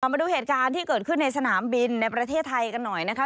มาดูเหตุการณ์ที่เกิดขึ้นในสนามบินในประเทศไทยกันหน่อยนะคะ